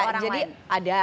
enggak jadi ada